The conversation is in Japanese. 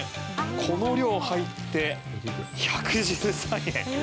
この量入って１１３円。